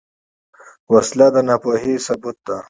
وسله د ناپوهۍ ثبوت ده